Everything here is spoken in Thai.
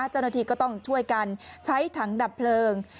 เจ้าหน้าที่ก็ต้องช่วยกันใช้ถังดับเพลิง